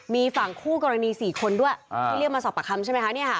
มีฝั่งคู่กรณี๔คนด้วยที่เรียกมาสอบปากคำใช่ไหมคะ